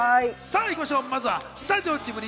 まずはスタジオジブリ